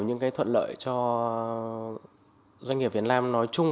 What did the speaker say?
những cái thuận lợi cho doanh nghiệp việt nam nói chung